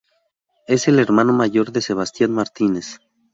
Es el hermano mayor de Sebastián Martínez.